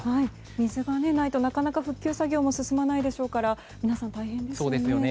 水がないとなかなか復旧作業も進まないでしょうから皆さん、大変ですよね。